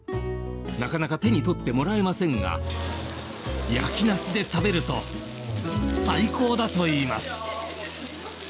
なかなか手に取ってもらえませんが焼きナスで食べると最高だといいます。